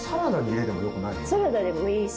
サラダでもいいし。